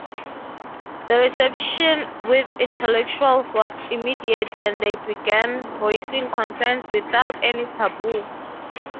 The reception with intellectuals was immediate, and they began voicing concerns without any taboo.